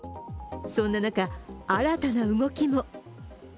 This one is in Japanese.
そんな中、新たな動きも。